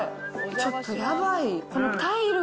ちょっとやばい。